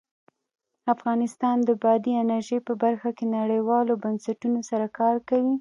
افغانستان د بادي انرژي په برخه کې نړیوالو بنسټونو سره کار کوي.